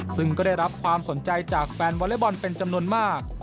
ซึ่งก็ได้รับความสนใจจากแฟนวอเล็กบอลเป็นจำนวนมาก